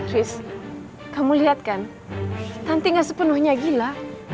riz kamu lihat kan tanti enggak sepenuhnya gila